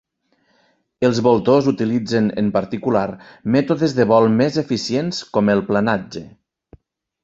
Els voltors utilitzen, en particular, mètodes de vol més eficients com el planatge.